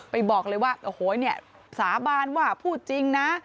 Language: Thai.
ไปบอกเลยว่าโอ้โหเนี่ยสาบานว่าพูดจริงนะ